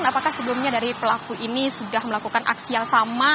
apakah sebelumnya dari pelaku ini sudah melakukan aksi yang sama